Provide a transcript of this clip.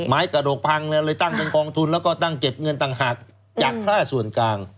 กระดกพังเลยตั้งเป็นกองทุนแล้วก็ตั้งเก็บเงินต่างหากจากค่าส่วนกลาง